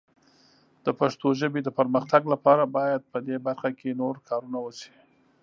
د پښتو ژبې د پرمختګ لپاره باید په دې برخه کې نور کارونه وشي.